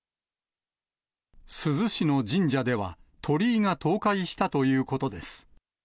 珠洲市の神社では鳥居が倒壊したということです。